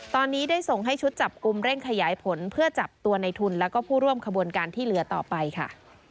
ตอนนี้ได้ส่งให้ชุดจับกลุ่มเร่งขยายผลเพื่อจับตัวในทุนแล้วก็ผู้ร่วมขบวนการที่เหลือต่อไปค่ะ